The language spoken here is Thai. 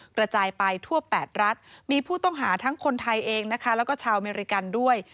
กระจายไปทั่ว๘รัฐมีผู้ต้องหาทั้งคนไทยเองนะคะแล้วก็ชาวอเมริกันด้วย